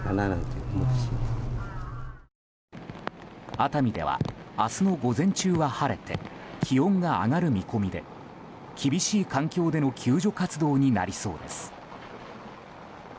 熱海では明日の午前中は晴れて気温が上がる見込みで厳しい環境での救助活動になりそうです。